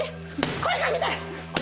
声掛けて！